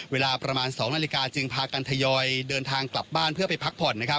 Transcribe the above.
เวลาประมาณ๒นาฬิกาจึงพากันทยอยเดินทางกลับบ้านเพื่อไปพักผ่อน